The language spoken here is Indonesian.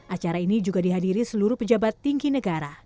acara ini juga dihadiri seluruh pejabat tinggi negara